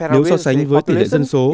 nếu so sánh với tỷ lệ dân số